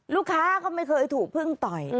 ลูกค้าก็ไม่เคยถูกพึ่งต่อย